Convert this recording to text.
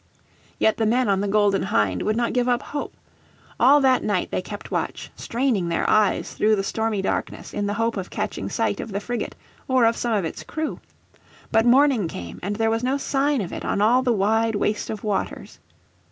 Yet the men on the Golden Hind would not give up hope. All that night they kept watch, straining their eyes through the stormy darkness in the hope of catching sight of the frigate or of some of its crew. But morning came and there was no sign of it on all the wide waste of waters.